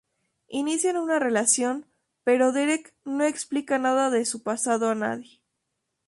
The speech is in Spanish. Inician una relación, pero Derek no explica nada de su pasado a nadie.